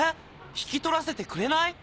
引き取らせてくれない！？